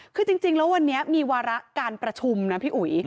คือจริงแล้ววันนี้มีวาระการประชุมนะพี่อุ๋ย